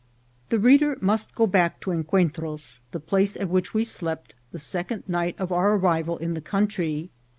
The reader must go back to Encuentros, the place at which we slept the second night of our arrival in the country.